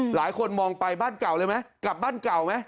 หลายคนมองไปบ้านเก่าเลยไหมกลับบ้านเก่าไหม